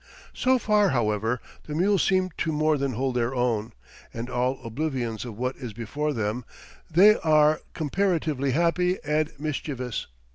So far, however, the mules seem to more than hold their own, and, all oblivious of what is before them, they are comparatively happy and mischievous.